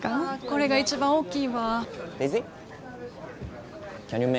あこれが一番大きいわあ。